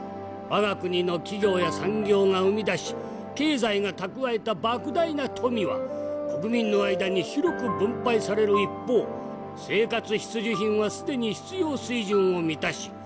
我が国の企業や産業が生み出し経済が蓄えたばく大な富は国民の間に広く分配される一方生活必需品は既に必要水準を満たし